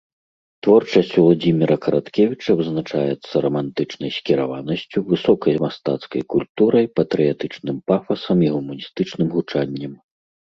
Творчасць Уладзіміра Караткевіча вызначаецца рамантычнай скіраванасцю, высокай мастацкай культурай, патрыятычным пафасам і гуманістычным гучаннем.